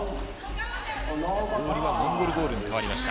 ボールはモンゴルボールに変わりました。